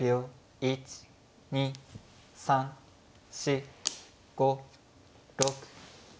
１２３４５６。